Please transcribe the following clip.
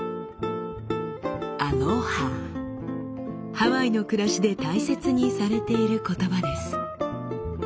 ハワイの暮らしで大切にされている言葉です。